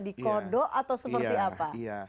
dikodok atau seperti apa